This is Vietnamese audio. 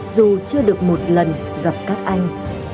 dù chưa được một lần gặp các anh